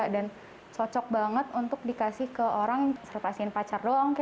dan cocok banget untuk dikasih ke orang serta kasihin pacar doang